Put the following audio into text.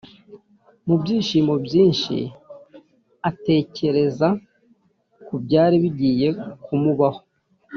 Mu byishimo byinshi atekereza ku byari bigiye kumubaho